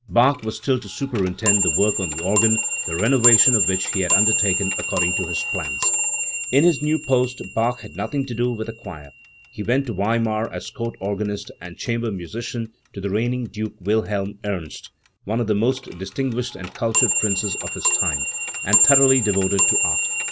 Bach was still to super intend the work on the organ, the renovation of which had been undertaken according to his plans. In his new post Bach had nothing to do with a choir; he went to Weimar as Court organist and chamber musician to the reigning Duke Wilhelm Ernst, one of the most distinguished and cultured princes of his time, and thor oughly devoted to art.